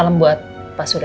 salam buat pak surya